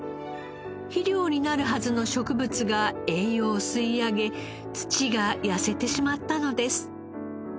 肥料になるはずの植物が栄養を吸い上げ土が痩せてしまったのです。